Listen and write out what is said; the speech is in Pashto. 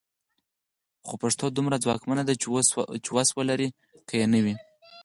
خو پښتو دومره ځواکمنه ده چې وس ولري که یې نه وي.